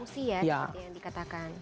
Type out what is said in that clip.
seperti yang dikatakan